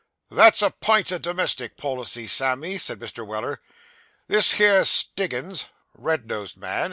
'That's a pint o' domestic policy, Sammy,' said Mr. Weller. 'This here Stiggins ' 'Red nosed man?